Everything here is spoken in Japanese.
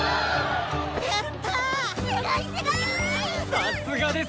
さすがです！